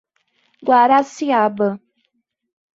Guaraciaba